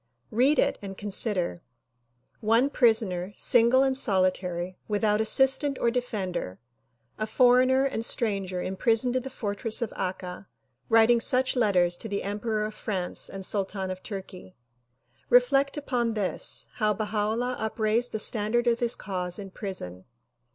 Read it and consider : One prisoner, single and solitary, without assistant or defender, a foreigner and stranger imprisoned in the fortress of Akka writing such letters to the emperor of France and sultan of Tui'key. Reflect upon this, how Baha 'Ullah upraised the standard of his cause in prison.